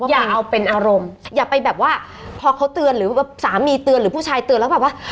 อย่าเอาเป็นอารมณ์อย่าไปแบบว่าพอเขาเตือนหรือแบบสามีเตือนหรือผู้ชายเตือนแล้วแบบว่า